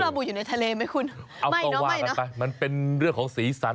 ปลาบูอยู่ในทะเลไหมคุณไม่เนอะไม่เนอะมันเป็นเรื่องของสีสัน